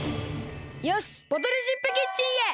よしボトルシップキッチンへ。